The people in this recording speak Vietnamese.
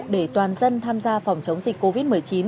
để toàn dân tham gia phòng chống dịch covid một mươi chín